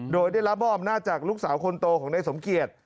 โดยได้รับมอบอำนาจจากลูกสาวคนโตของนายสมเกียจ